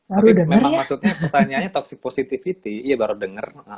tapi memang maksudnya pertanyaannya toxic positivity iya baru denger